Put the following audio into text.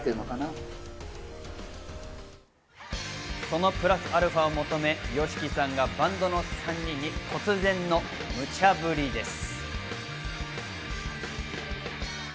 そのプラスアルファを求め、ＹＯＳＨＩＫＩさんがバンドの３人に突然のムチャブリです。